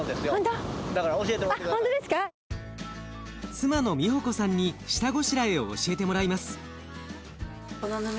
妻の美保子さんに下ごしらえを教えてもらいます。